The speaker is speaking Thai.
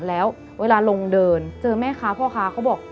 แล้วเวลาลงเดินเจอแม่ค้าพ่อค้าเขาบอก